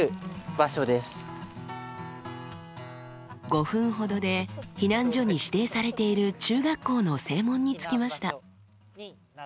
５分ほどで避難所に指定されている中学校の正門に着きました。